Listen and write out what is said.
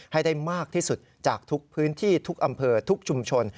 ให้ได้มากที่สุดจากทุกพื้นที่ทุกอำเภอทุกชุมชน